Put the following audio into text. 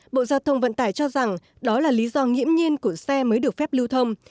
bộ giao thông vận tải cho rằng đó là lý do nghiễm nhiên của xe mới được phép lưu thông